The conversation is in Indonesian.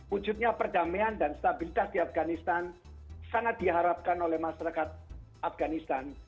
wujudnya perdamaian dan stabilitas di afganistan sangat diharapkan oleh masyarakat afganistan